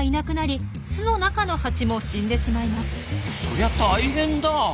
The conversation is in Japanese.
そりゃ大変だ。